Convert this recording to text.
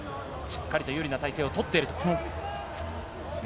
しっかり有利な体勢をとっている。